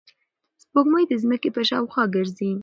سپوږمۍ د ځمکې په شاوخوا ګرځي.